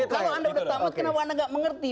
kalau anda sudah tamat kenapa anda tidak mengerti